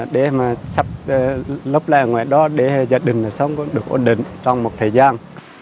để mà sắp lốc lại ngoài đó để gia đình sống được ổn định trong một thời gian